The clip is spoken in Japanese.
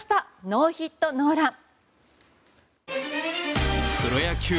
ノーヒットノーラン！